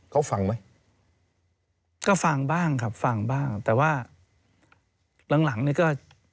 ก็ฟังบ้างครับฟังบ้างแต่ว่าหลังนี่ก็